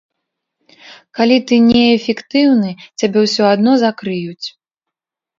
Калі ты не эфектыўны, цябе ўсё адно закрыюць.